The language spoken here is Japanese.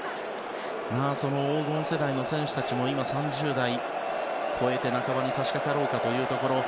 黄金世代の選手たちも今３０代を超えて半ばにさしかかろうかというところ。